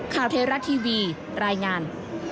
ข่าวเทราะห์ทีวีรายงาน